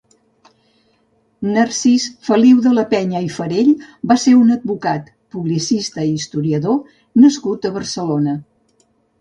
Narcís Feliu de la Penya i Farell va ser un advocat, publicista i historiador nascut a Barcelona.